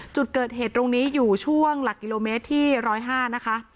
จุดเกิดเหตุตรงนี้อยู่ช่วงหลักกิโลเมตรที่๑๐๕นะคะ